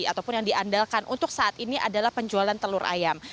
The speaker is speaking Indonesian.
ataupun yang diandalkan untuk saat ini adalah penjualan telur ayam